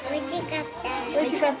おいしかった。